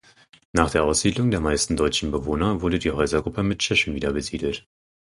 Nach der Aussiedlung der meisten deutschen Bewohner wurde die Häusergruppe mit Tschechen wiederbesiedelt.